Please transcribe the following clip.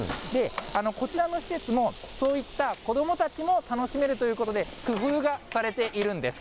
こちらの施設も、そういった子どもたちも楽しめるということで、工夫がされているんです。